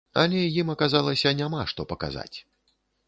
Але ім аказалася няма што паказаць.